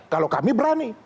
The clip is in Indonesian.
kalau kami berani